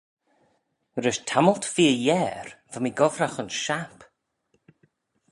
Rish tammylt feer yiare va mee gobbragh ayns shapp.